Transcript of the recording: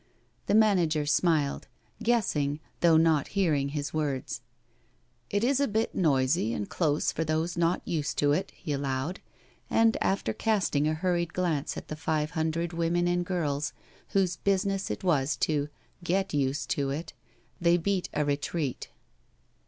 The manager smiled, guessing though not hearing his words. " It is a bit noisy and close for those not used to it, he allowed; and, after casting a hurried glance at the five hundred women and girls whose business it was to " get used to it,*' they beat a retreat.